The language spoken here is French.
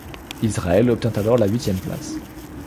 Israël obtint alors la huitième place.